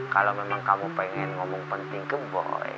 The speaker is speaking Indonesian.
kalau memang kamu pengen ngomong penting ke boy